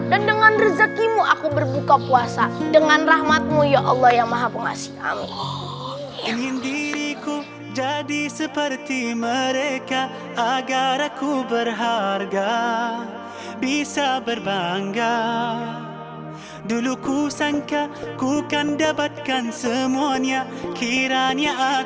dan dengan rezakimu aku berbuka puasa dengan rahmatmu ya allah yang maha pengasih amin